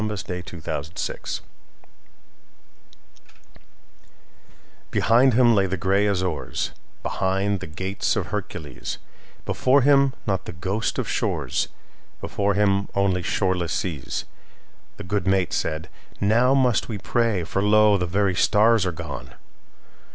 By JoaquinMiller 798 Columbus BEHIND him lay the gray Azores, Behind the Gates of Hercules; Before him not the ghost of shores, Before him only shoreless seas. The good mate said: "Now must we pray, For lo! the very stars are gone.